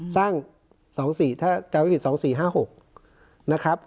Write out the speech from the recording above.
สร้าง๒๔ถ้าจะไม่ผิด๒๔๕๖นะครับ